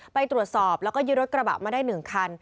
ไปตรวจสอบแล้วก็ยึดรถกระบะมาได้๑คัน